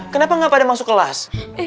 kenapa gak pada masuk kelas